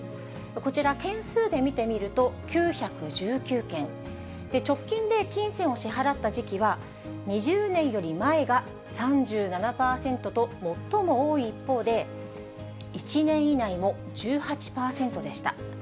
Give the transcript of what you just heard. こちら、件数で見てみると、９１９件、直近で金銭を支払った時期は、２０年より前が３７％と最も多い一方で、１年以内も１８％でした。